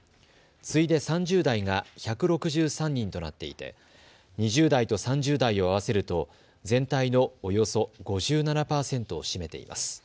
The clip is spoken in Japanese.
次いで３０代が１６３人となっていて２０代と３０代を合わせると全体のおよそ５７％を占めています。